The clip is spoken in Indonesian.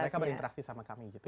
mereka berinteraksi sama kami gitu